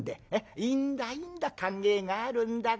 いいんだいいんだ考えがあるんだからね。